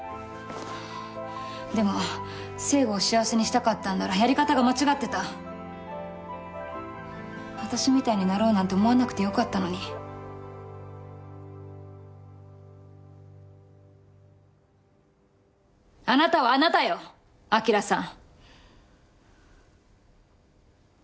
でも成吾を幸せにしたかったんならやり方が間違ってた私みたいになろうなんて思わなくてよかったのにあなたはあなたよ明さん